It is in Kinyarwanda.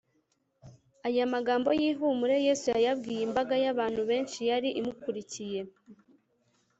aya magambo y’ihumure yesu yayabwiye imbaga y’abantu benshi yari imukurikiye